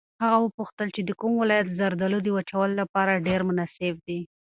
هغه وپوښتل چې د کوم ولایت زردالو د وچولو لپاره ډېر مناسب دي.